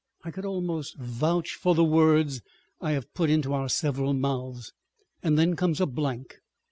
I could almost vouch for the words I have put into our several mouths. Then comes a blank.